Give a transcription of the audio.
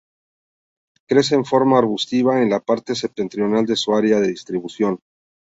Crece en forma arbustiva en la parte septentrional de su área de distribución.